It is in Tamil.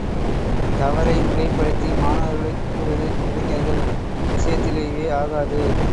தவறை மிகைப்படுத்தி, மாணவர்களைக் குட்டுவது, இளைஞர்கள் விஷயத்திலேயே ஆகாது.